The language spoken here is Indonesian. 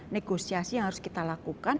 negosiasi yang harus kita lakukan